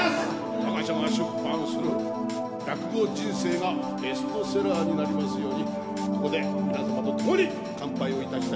我が社が出版する『落語人生』がベストセラーになりますようにここで皆様とともに乾杯をいたしたいと思います。